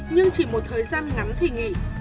nhưng chỉ một thời gian ngắn thì nghỉ